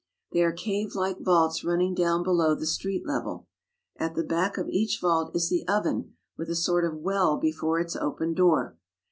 They are cave like vaults running down below the street level. At the back of each vault is the oven with a sort of well before its open door.